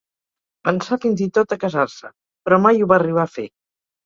Pensà fins i tot a casar-se, però mai ho va arribar a fer.